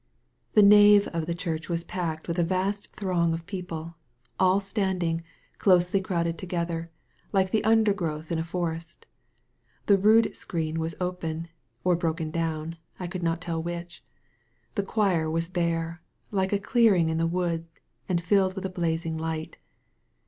The nave of the church was packed with a vast throng of people, all standing, closely crowded to gether, like the undergrowth in a forest. The rood screen was open, or broken down, I could not tell which. The choir was bare, like a clearing in the woods, and filled with blazing light.